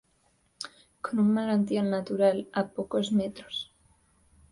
Con un manantial natural a pocos metros.